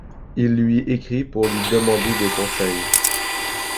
Il lui écrit pour lui demander des conseils.